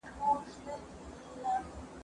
ايا ته کتابتون ته راځې،